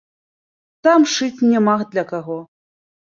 Там шыць няма для каго.